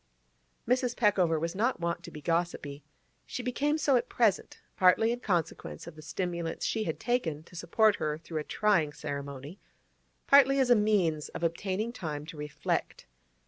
Mrs. Peckover was not wont to be gossipy. She became so at present, partly in consequence of the stimulants she had taken to support her through a trying ceremony, partly as a means of obtaining time to reflect.